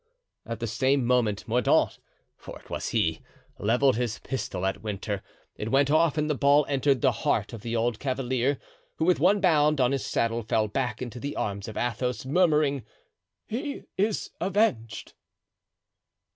At the same moment Mordaunt, for it was he, leveled his pistol at Winter; it went off and the ball entered the heart of the old cavalier, who with one bound on his saddle fell back into the arms of Athos, murmuring: "He is avenged!"